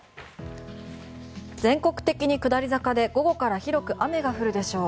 全国的に下り坂で午後から広く雨が降るでしょう。